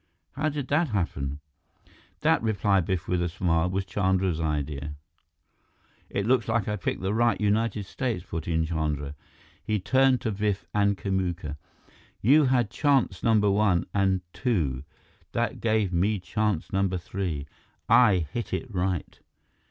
How did that happen?" "That," replied Biff with a smile, "was Chandra's idea." "It looks like I picked the right United States," put in Chandra. He turned to Biff and Kamuka. "You had chance number one and two. That gave me chance number three. I hit it right."